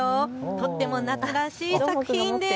とっても夏らしい作品です。